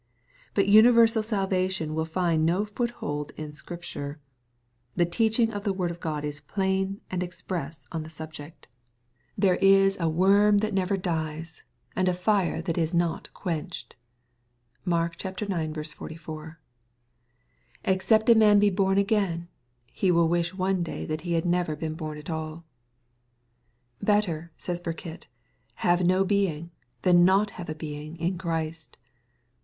But universal salvation will find no foot hold in Scripture. The teaching of the word of God is plain and express on the subject. / There is a 854 SXPOSITOBT THOUQHTS. worm that never dies, and a fire that is not quenched. ) (Mark ix. 44.) 'HSxcept a man be bom again/' he will wish one day he had never been bom at all. " Better/' says Burkitt, "have no being, than not have a beingin Christ."